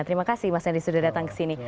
terima kasih mas henry sudah datang kesini